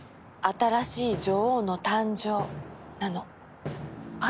新しい女王の誕生！？